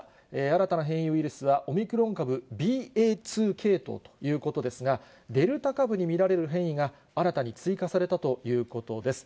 新たな変異ウイルスは、オミクロン株ＢＡ．２系統ということですが、デルタ株に見られる変異が新たに追加されたということです。